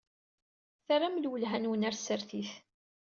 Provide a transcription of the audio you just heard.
Terram lwelha-nwen ɣer tsertit.